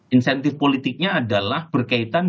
insentif politiknya adalah berkaitan